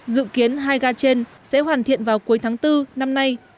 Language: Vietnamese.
dự kiến hai ga trên sẽ hoàn thiện vào cuối tháng bốn năm nay